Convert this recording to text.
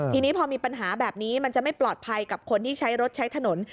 ทีนี้พอมีปัญหาแบบนี้มันจะไม่ปลอดภัยกับคนที่ใช้รถใช้ถนน